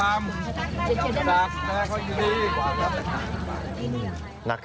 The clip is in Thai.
ถึงแล้วนะครับ